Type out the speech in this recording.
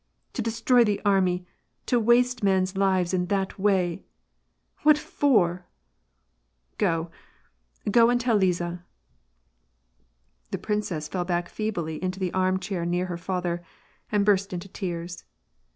" To destroy the army, to waste men's lives in that way ! What for ? Go, go and tell Liza." The princess fell back feebly in the arm chair near her father, and burst into tears.